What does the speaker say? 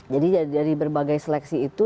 jadi dari berbagai seleksi itu